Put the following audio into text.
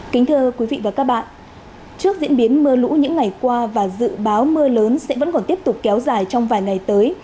kính thưa quý vị và các bạn trước diễn biến mưa lũ những ngày qua và dự báo mưa lớn sẽ vẫn còn tiếp tục kéo dài trong vài ngày tới